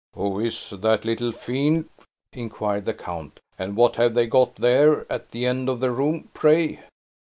"Who is that little fiend?" inquired the count; "and what have they got there at the and of the room, pray?"